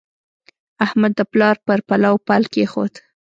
احمد د پلار پر پلو پل کېښود.